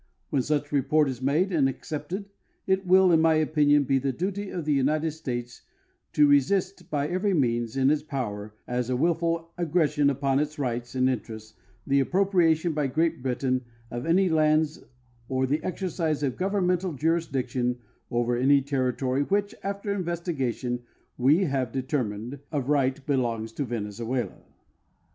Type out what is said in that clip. When such rejxjrt is madean.l accepted it will, in my opinion, be the duty of the United States to resist by every means in its power as a willful aggression upon its rights and interests the appropriation by Great Britain of any lands or the exercise of governmental jurisdiction over any territory which, aaer investigation, we have determined of right belongs to Venezuela.